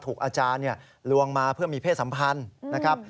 อาจารย์ลวงมาเพื่อมีเพศสัมพันธ์นะครับ